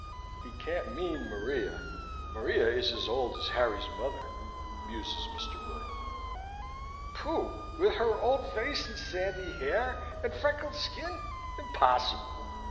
"He can't mean Maria Maria is as old as Harry's mother," muses Mr. William. "Pooh! with her old face and sandy hair and freckled skin! Impossible!"